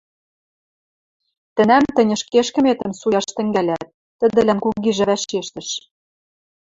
— Тӹнӓм тӹнь ӹшке ӹшкӹметӹм суяш тӹнгӓлӓт — тӹдӹлӓн кугижӓ вӓшештӹш.